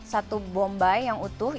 satu bombay yang utuh